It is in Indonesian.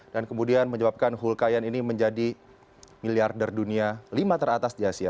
dan kemudian menyebabkan hui kayan ini menjadi miliar der dunia lima teratas di asia